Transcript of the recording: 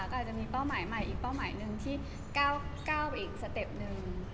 ก็อาจจะมีเป้าหมายใหม่อีกเป้าหมายหนึ่งที่ก้าวไปอีกสเต็ปหนึ่ง